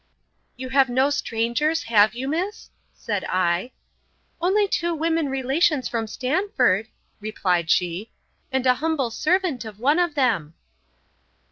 You have no strangers, have you miss? said I.—Only two women relations from Stamford, replied she, and an humble servant of one of them.